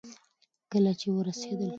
کله چې ورسېدل